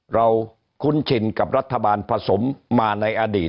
คุ้นชินกับรัฐบาลผสมมาในอดีต